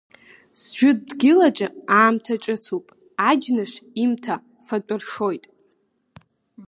Сжәытә дгьылаҿ аамҭа ҿыцуп, аџьныш имҭа фатә ршоит.